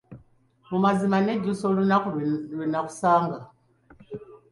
Mu mazima nnejjusa olunaku lwe nnakusanga.